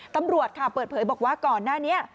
ตำรวจค่ะเปิดเผยบอกว่าก่อนหน้านี้